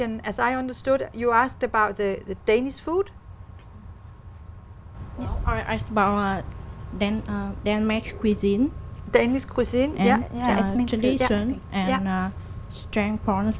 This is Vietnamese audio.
vì vậy chúng tôi đã có nhiều hợp tác trong một trường hợp đó